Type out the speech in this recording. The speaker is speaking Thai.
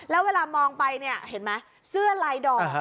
แล้วเวลามองไปเนี่ยเห็นไหมเสื้อลายดอก